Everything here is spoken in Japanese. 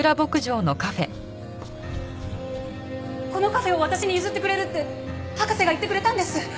このカフェを私に譲ってくれるって博士が言ってくれたんです！